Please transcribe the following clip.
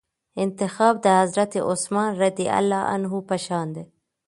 انتخاب د حضرت عثمان رضي الله عنه په شان دئ.